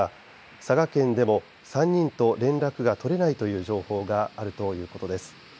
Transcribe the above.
佐賀県でも３人と連絡が取れないという情報があるということです。